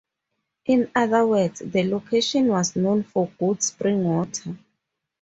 In other words, the location was known for good spring water.